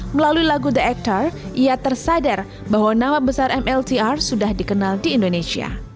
melalui lagu the actor ia tersadar bahwa nama besar mltr sudah dikenal di indonesia